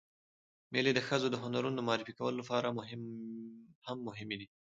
مېلې د ښځو د هنرونو د معرفي کولو له پاره هم مهمې دي.